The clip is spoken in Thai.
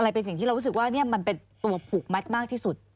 เป็นสิ่งที่เรารู้สึกว่ามันเป็นตัวผูกมัดมากที่สุด